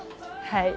はい。